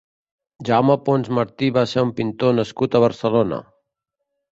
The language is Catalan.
Jaume Pons Martí va ser un pintor nascut a Barcelona.